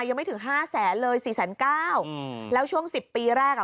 ยังไม่ถึงห้าแสนเลยสี่แสนเก้าอืมแล้วช่วงสิบปีแรกอ่ะ